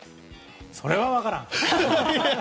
それは分からん。